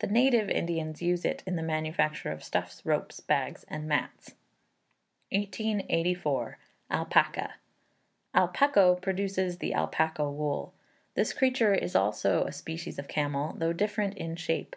The native Indians use it in the manufacture of stuffs, ropes, bags, and mats. 1884. Alpaca. Al Paco produces the alpaca wool. This creature is also a species of camel, though different in shape.